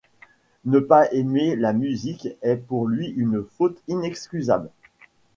Ne pas aimer la musique est pour lui une faute inexcusable.